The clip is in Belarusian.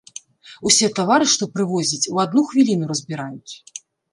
Усе тавары, што прывозяць, у адну хвіліну разбіраюць.